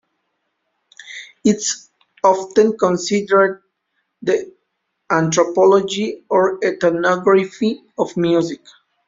It is often considered the anthropology or ethnography of music.